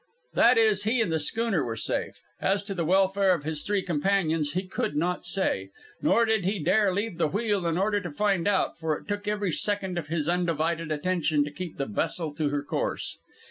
That is, he and the schooner were safe. As to the welfare of his three companions he could not say. Nor did he dare leave the wheel in order to find out, for it took every second of his undivided attention to keep the vessel to her course.